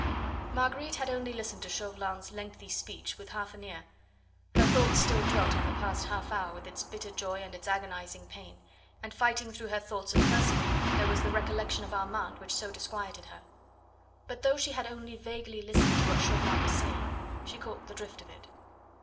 Marguerite had only listened to Chauvelin's lengthy speech with half an ear; her thoughts still dwelt on the past half hour with its bitter joy and its agonising pain; and fighting through her thoughts of Percy there was the recollection of Armand which so disquieted her. But though she had only vaguely listened to what Chauvelin was saying, she caught the drift of it.